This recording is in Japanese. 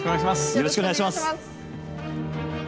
よろしくお願いします。